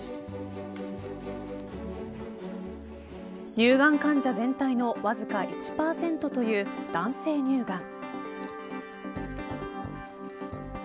乳がん患者全体のわずか１％という男性乳がん。